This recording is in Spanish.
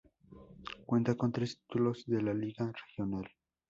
Cuenta con tres títulos de la liga regional.